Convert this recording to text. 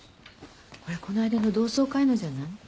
これこの間の同窓会のじゃない？